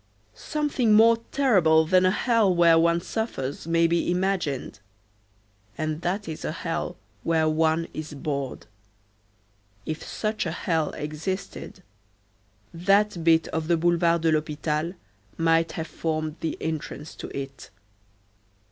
Something more terrible than a hell where one suffers may be imagined, and that is a hell where one is bored. If such a hell existed, that bit of the Boulevard de l'Hôpital might have formed the entrance to it.